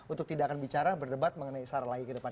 untuk tindakan bicara berdebat mengenai sarah lagi kedepan